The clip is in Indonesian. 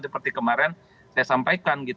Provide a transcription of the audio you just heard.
seperti kemarin saya sampaikan